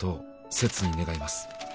「切に願います」